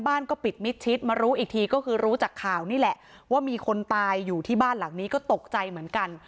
บ้านก็ปิดมิดชิดมารู้อีกทีก็คือรู้จากข่าวนี่แหละว่ามีคนตายอยู่ที่บ้านหลังนี้ก็ตกใจเหมือนกัน